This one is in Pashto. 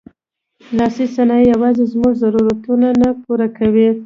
لاسي صنایع یوازې زموږ ضرورتونه نه پوره کوي.